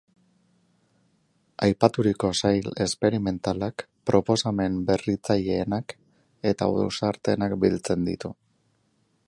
Aipaturiko sail esperimentalak proposamen berritzaileenak eta ausartenak biltzen ditu.